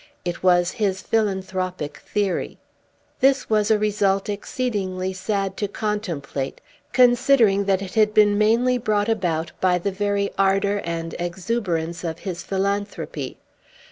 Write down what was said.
It was his philanthropic theory. This was a result exceedingly sad to contemplate, considering that it had been mainly brought about by the very ardor and exuberance of his philanthropy.